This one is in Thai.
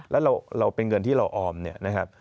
แล้วเราเป็นเงินที่เราออมเนี่ยนะครับ